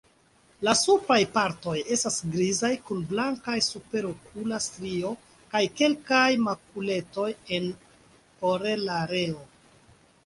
La supraj partoj estas grizaj kun blankaj superokula strio kaj kelkaj makuletoj en orelareo.